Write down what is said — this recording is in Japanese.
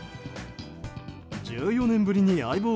１４年ぶりに「相棒」